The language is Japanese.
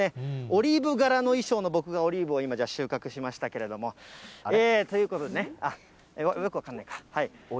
オリーブ柄の衣装の僕が、オリーブを今、収穫しましたけれども。ということでね、よく分かんないか。